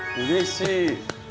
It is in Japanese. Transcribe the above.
うれしい。